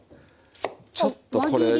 ちょっとこれに。